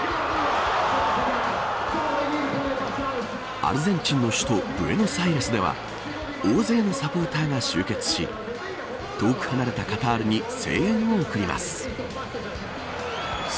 アルゼンチンの首都ブエノスアイレスでは大勢のサポーターが集結し遠く離れたカタールに声援を送ります。